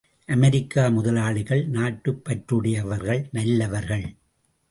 அமெரிக்க முதலாளிகள் நாட்டுப் பற்றுடையவர்கள் நல்லவர்கள்.